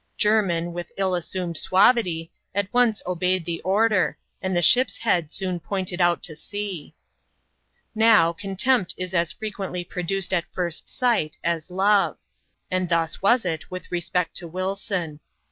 Jermin, with ill assumed suavity, at once obeyed the order, and the ship's head soon pointed out to sea. Now, contempt is as frequently produced at first sight as love ; and thus was it with respect to Wilson.